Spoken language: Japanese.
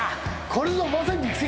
これぞまさに奇跡。